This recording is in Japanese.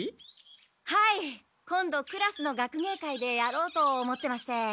はい今度クラスの学芸会でやろうと思ってまして。